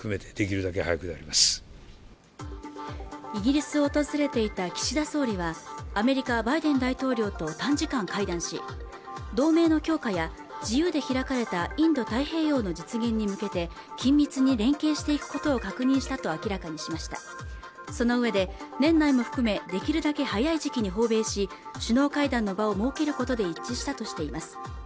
イギリスを訪れていた岸田総理はアメリカバイデン大統領と短時間会談し同盟の強化や自由で開かれたインド太平洋の実現に向けて緊密に連携していくことを確認したと明らかにしましたそのうえで年内も含めできるだけ早い時期に訪米し首脳会談の場を設けることで一致したとしています